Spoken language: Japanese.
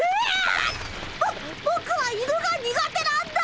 ぼぼくは犬が苦手なんだ！